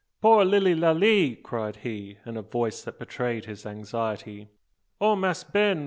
"Poor lilly Lally!" cried he, in a voice that betrayed his anxiety. "O Mass' Ben!